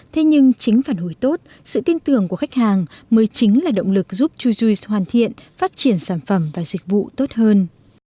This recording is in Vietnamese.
thế nhưng chính phản hồi tốt sự tin tưởng của khách hàng mới chính là động lực giúp chujuice hoàn thiện phát triển sản phẩm và dịch vụ tốt hơn